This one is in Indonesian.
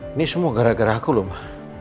ini semua gara gara aku loh ma